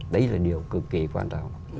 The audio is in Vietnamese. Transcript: đấy là điều cực kỳ quan trọng